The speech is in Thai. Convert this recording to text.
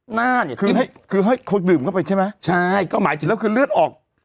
หน้าเนี่ยคือให้คือให้เขาดื่มเข้าไปใช่ไหมใช่ก็หมายถึงแล้วคือเลือดออก